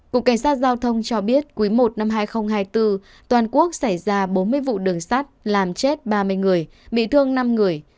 cục cảnh sát giao thông cho biết quý i năm hai nghìn hai mươi bốn toàn quốc xảy ra bốn mươi vụ đường sát làm chết ba mươi người bị thương năm người